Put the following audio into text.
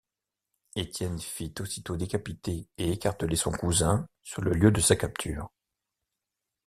Étienne fit aussitôt décapiter et écarteler son cousin sur le lieu de sa capture.